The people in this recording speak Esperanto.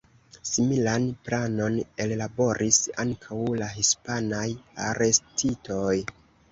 Similan planon ellaboris ankaŭ la hispanaj arestitoj.